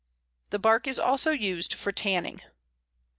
The bark is also used for tanning.